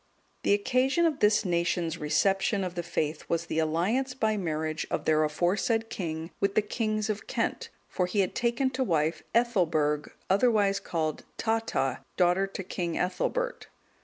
The occasion of this nation's reception of the faith was the alliance by marriage of their aforesaid king with the kings of Kent, for he had taken to wife Ethelberg, otherwise called Tata,(210) daughter to King Ethelbert.